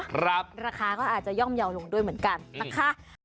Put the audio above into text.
ราคาก็อาจจะย่อมเยาว์ลงด้วยเหมือนกันนะคะ